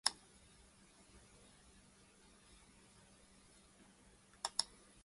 For much of the intervening time, they did not see one another at all.